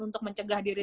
untuk mencegah diri